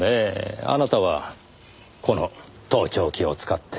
あなたはこの盗聴器を使って。